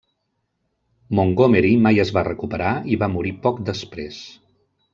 Montgomery mai es va recuperar, i va morir poc després.